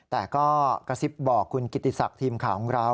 แต่ก็กระซิบบอกคุณกิติศักดิ์ทีมข่าวของเรา